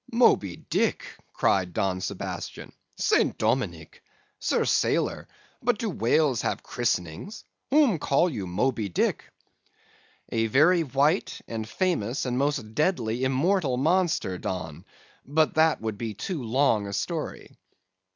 "'Moby Dick!' cried Don Sebastian; 'St. Dominic! Sir sailor, but do whales have christenings? Whom call you Moby Dick?' "'A very white, and famous, and most deadly immortal monster, Don;—but that would be too long a story.